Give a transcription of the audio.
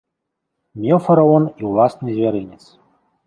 Меў фараон і ўласны звярынец.